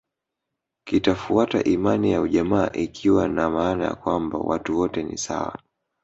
Kitafuata imani ya ujamaa ikiwa na maana kwamba watu wote ni sawa